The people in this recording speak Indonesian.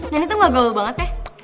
nenek tuh gak gaul banget ya